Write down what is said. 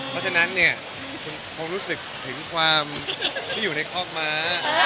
เพราะฉะนั้นเนี่ยคุณคงรู้สึกถึงความที่อยู่ในคอกม้า